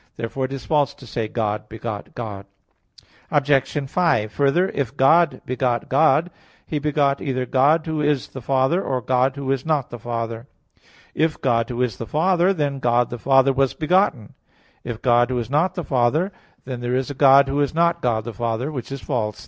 Therefore it is false to say, "God begot God." Obj. 5: Further, if "God begot God," He begot either God who is the Father, or God who is not the Father. If God who is the Father, then God the Father was begotten. If God who is not the Father, then there is a God who is not God the Father: which is false.